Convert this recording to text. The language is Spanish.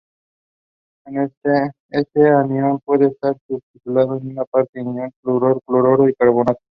Este anión puede estar substituido en parte por iones fluoruro, cloruro y carbonato.